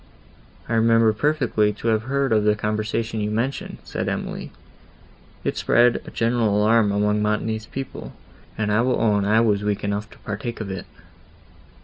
"I remember perfectly to have heard of the conversation you mention," said Emily; "it spread a general alarm among Montoni's people, and I will own I was weak enough to partake of it."